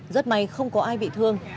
rất may không có ai bị thương